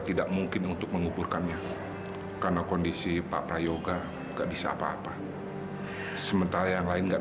sampai jumpa di video selanjutnya